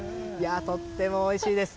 とってもおいしいです。